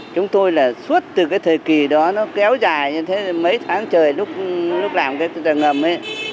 chúng tôi là suốt từ cái thời kỳ đó nó kéo dài như thế mấy tháng trời lúc lúc làm cái tầng ngầm ấy